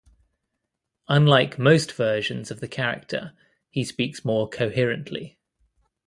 Unlike most versions of the character, he speaks more coherently.